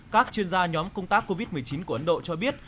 các chuyên gia nhóm công tác covid một mươi chín của ấn độ cho biết